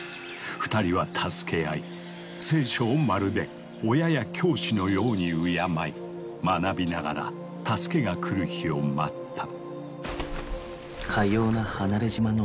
二人は助け合い「聖書」をまるで親や教師のように敬い学びながら助けが来る日を待った。